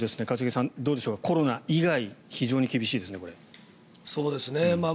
一茂さん、どうでしょうかコロナ以外非常に厳しいですね。